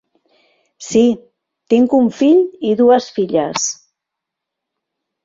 Sí, tinc un fill i dues filles.